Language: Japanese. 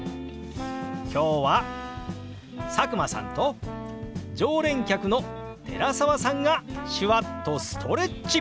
今日は佐久間さんと常連客の寺澤さんが手話っとストレッチ！